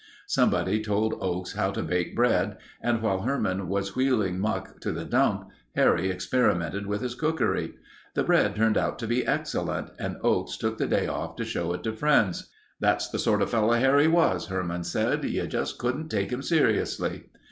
Somebody told Oakes how to bake bread and while Herman was wheeling muck to the dump, Harry experimented with his cookery. The bread turned out to be excellent and Oakes took the day off to show it to friends. "That's the sort of fellow Harry was," Herman says. "You just couldn't take him seriously."